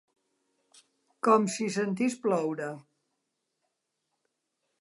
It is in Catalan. Com si sentís ploure.